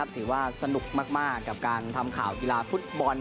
ถือว่าสนุกมากกับการทำข่าวกีฬาฟุตบอล